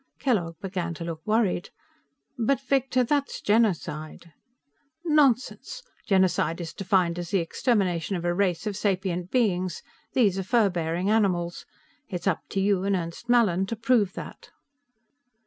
Kellogg began to look worried. "But, Victor, that's genocide!" "Nonsense! Genocide is defined as the extermination of a race of sapient beings. These are fur bearing animals. It's up to you and Ernst Mallin to prove that."